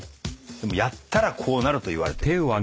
やったらこうなるといわれてる。